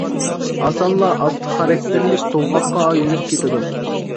ئاسانلا ئاستا خاراكتېرلىك تولغاققا ئايلىنىپ كېتىدۇ.